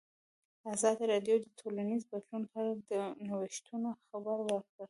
ازادي راډیو د ټولنیز بدلون په اړه د نوښتونو خبر ورکړی.